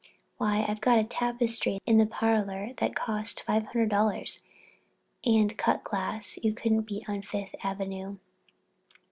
Why, I've got a tapestry in the parlor that cost five hundred dollars and cut glass you couldn't beat on Fifth Avenue.